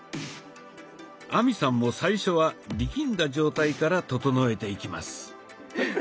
亜美さんも最初は力んだ状態から整えていきます。